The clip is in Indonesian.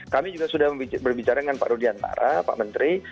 kami juga sudah berbicara dengan pak rudiantara pak menteri